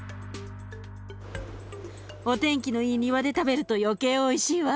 お天気のいい庭で食べると余計おいしいわ。